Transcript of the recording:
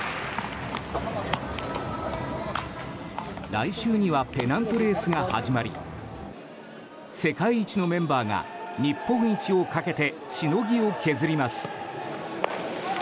来週にはペナントレースが始まり世界一のメンバーが日本一をかけてしのぎを削ります。